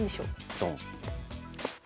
ドン。